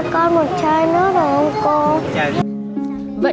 cô lấy đi